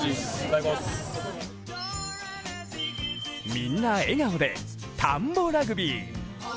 みんな笑顔でたんぼラグビー。